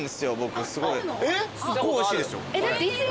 すっごいおいしいですよ。